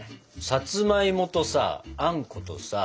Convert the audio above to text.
さつまいもとさあんことさ